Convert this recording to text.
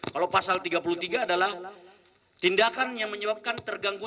kalau pasal tiga puluh tiga adalah tindakan yang menyebabkan terganggu